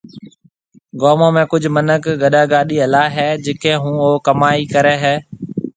گومون ۾ ڪجھ مِنک گڏا گاڏِي ھلائيَ ھيََََ جڪيَ ھون او ڪمائِي ڪريَ ھيََََ